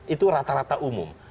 itu rata rata umum